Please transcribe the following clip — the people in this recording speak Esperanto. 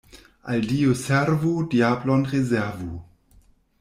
Al Dio servu, diablon rezervu.